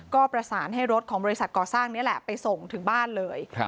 ก็ประสานให้รถของบริษัทก่อสร้างนี่แหละไปส่งถึงบ้านเลย